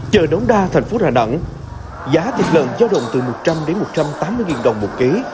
chờ đóng đa thành phố hà nẵng giá thịt lợn giao động từ một trăm linh một trăm tám mươi đồng một kg